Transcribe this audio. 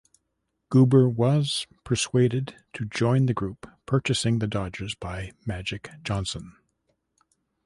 Guber was persuaded to join the group purchasing the Dodgers by Magic Johnson.